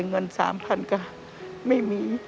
เงิน๓๐๐๐ก็ไม่มี